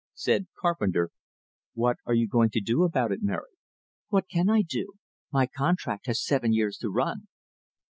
Said Carpenter: "What are you going to do about it, Mary?" "What can I do? My contract has seven years to run."